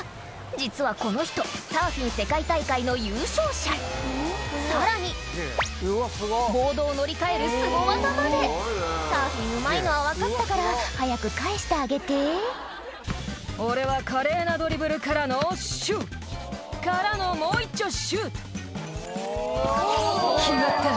実はこの人サーフィン世界大会の優勝者さらにボードを乗り換えるスゴ技までサーフィンうまいのは分かったから早く返してあげて「俺は華麗なドリブルからのシュート！」「からのもういっちょうシュート！」「決まった！